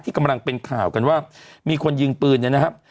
กำลังเป็นข่าวกันว่ามีคนยิงปืนเนี่ยนะครับ